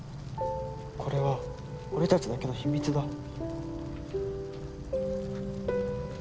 これは俺たちだけの秘密だ。